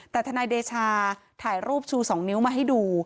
แต่ทนายเดชาถ่ายรูปชู๒นิ้วมาให้ดู